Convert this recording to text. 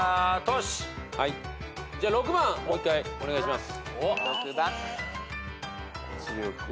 ６番もう一回お願いします。